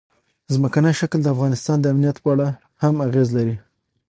ځمکنی شکل د افغانستان د امنیت په اړه هم اغېز لري.